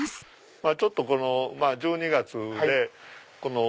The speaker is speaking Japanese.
ちょっとこの１２月で。